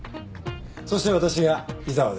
そして私が井沢です。